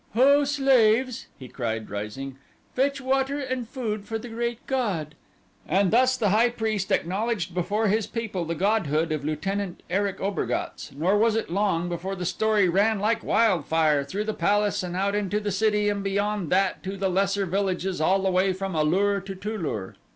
"Ho, slaves," he cried, rising; "fetch water and food for the Great God," and thus the high priest acknowledged before his people the godhood of Lieutenant Erich Obergatz, nor was it long before the story ran like wildfire through the palace and out into the city and beyond that to the lesser villages all the way from A lur to Tu lur.